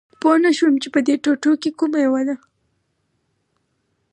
پوه نه شوم چې په دې ټوټو کې کومه یوه ده